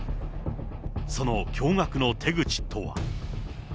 その驚がくの手口とは。